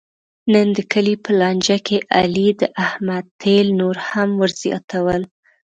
نن د کلي په لانجه کې علي د احمد تېل نور هم ور زیاتول.